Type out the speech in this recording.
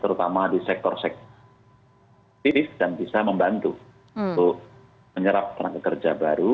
terutama di sektor sektif dan bisa membantu untuk menyerap para pekerja baru